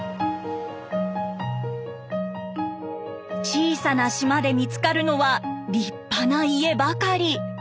小さな島で見つかるのは立派な家ばかり。